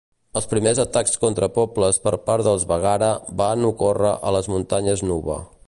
Els primers atacs contra pobles per part dels Baggara van ocórrer a les muntanyes Nuba.